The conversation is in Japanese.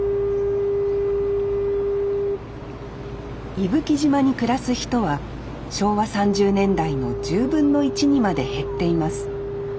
伊吹島に暮らす人は昭和３０年代の１０分の１にまで減っています。